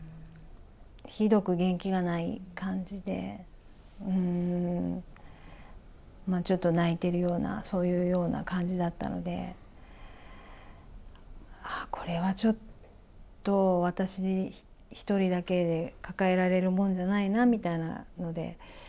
ひどく元気がない感じで、ちょっと泣いてるような、そういうような感じだったので、ああ、これはちょっと、私一人だけで抱えられるもんじゃないなみたいなので。